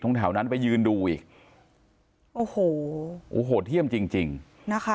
ทางแถวนั้นไปยืนดูอีกโอ้โหเที่ยมจริง